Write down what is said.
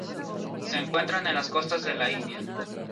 Se encuentran en las costas de la India.